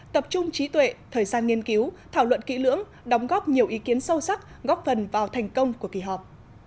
tập trung trí tuệ thời gian nghiên cứu thảo luận kỹ lưỡng đóng góp nhiều ý kiến sâu sắc góp phần vào thành công của kỳ họp